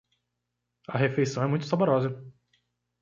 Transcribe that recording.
A refeição é muito saborosa.